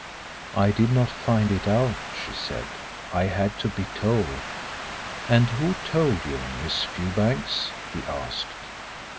"I did not find it out," she said. "I had to be told." "And who told you, Miss Fewbanks?" he asked.